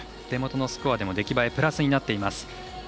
手元のスコアでも出来栄えプラスになっています。